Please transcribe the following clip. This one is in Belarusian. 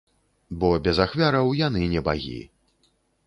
Бо без ахвяраў яны не багі.